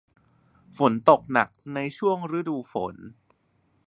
ฝนตกหนักในช่วงฤดูฝน